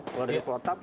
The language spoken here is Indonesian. kalau ada protap